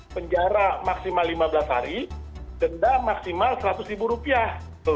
penjara maksimal lima belas hari denda maksimal seratus ribu rupiah